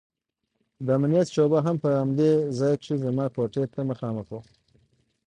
د امنيت شعبه هم په همدې ځاى کښې زما کوټې ته مخامخ وه.